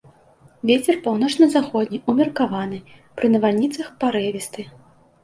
Вецер паўночна-заходні ўмеркаваны, пры навальніцах парывісты.